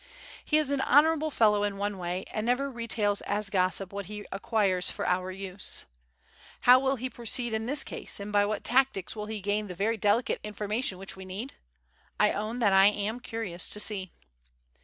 He is an honourable fellow in one way, and never retails as gossip what he acquires for our use. How will he proceed in this case, and by what tactics will he gain the very delicate information which we need? I own that I am curious to see.